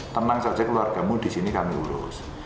tenang saja keluargamu disini kami urus